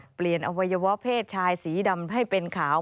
เปลี่ยนอวัยวะเพศชายสีดำให้เป็นขาว